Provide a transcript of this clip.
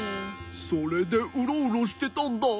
それでウロウロしてたんだ。